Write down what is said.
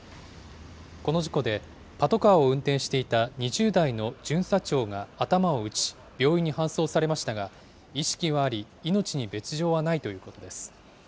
この事故で、パトカーを運転していた２０代の巡査長が頭を打ち、病院に搬送されましたが、意識はあり、命に別状はないということです。